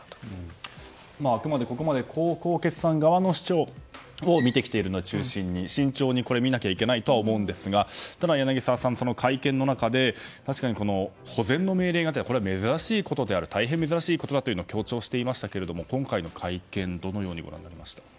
あくまで、ここまで江宏傑さんさん側の主張を中心に見てきているので慎重に見なければいけないと思うんですが柳澤さん、会見の中で保全の命令というのはこれは大変珍しいことだと強調していましたが今回の会見どのようにご覧になりますか。